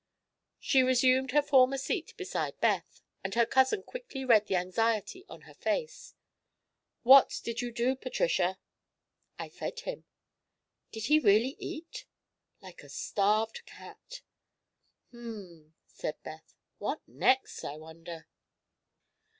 She resumed her former seat beside Beth, and her cousin quickly read the anxiety on her face. "What did you do, Patricia?" "I fed him." "Did he really eat?" "Like a starved cat." "Hm m m," said Beth. "What next, I wonder?"